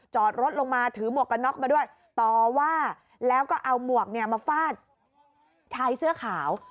จอดรถลงมาถือหมวกกันน็อกมาด้วยต่อว่าแล้วก็เอาหมวกมาฟาดชายเสื้อขาว